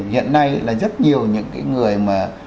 hiện nay là rất nhiều những cái người mà